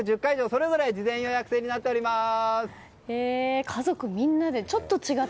それぞれ事前予約制になっています。